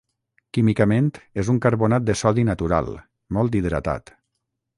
Químicament és un carbonat de sodi natural, molt hidratat.